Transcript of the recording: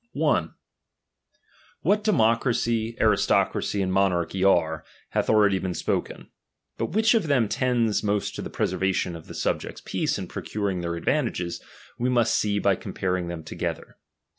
CHAP. X. 1 What democracy, aristocracy, and monarchy ^.' are, hath already been spoken ; but which of them stale of nHture tcnds niost to the preservation of the subjects' peace and procuring their advantages, we must see by comparing them together.